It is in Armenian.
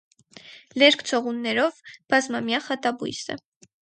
Լերկ ցողուններով բազմամյա խատաբույս է։